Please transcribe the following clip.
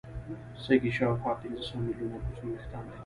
سږي شاوخوا پنځه سوه ملیونه کوچني وېښتان لري.